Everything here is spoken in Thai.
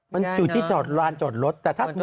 มันอยู่ที่ร้านจอดรถ